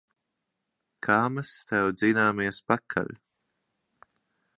Kā mēs tev dzināmies pakaļ!